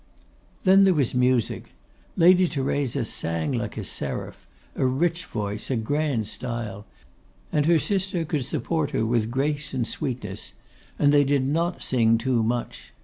Then there was music. Lady Theresa sang like a seraph: a rich voice, a grand style. And her sister could support her with grace and sweetness. And they did not sing too much.